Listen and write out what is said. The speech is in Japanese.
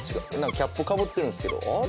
キャップかぶってんですけどあれ？